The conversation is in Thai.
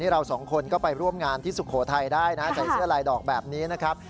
เราสองคนก็ไปร่วมงานที่สุโขทัยได้นะใส่เสื้อลายดอกแบบนี้นะครับ